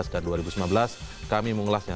dan dua ribu lima belas kami mengulasnya